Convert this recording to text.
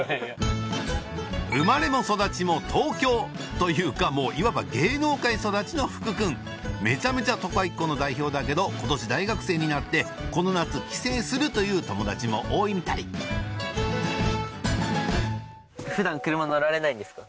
生まれも育ちも東京というかもういわば芸能界育ちの福君めちゃめちゃ都会っ子の代表だけど今年大学生になってこの夏帰省するという友達も多いみたい普段車乗られないんですか？